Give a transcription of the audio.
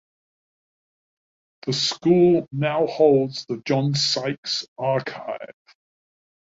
The school now holds the John Sykes Archive.